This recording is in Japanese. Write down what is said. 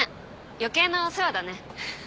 余計なお世話だね。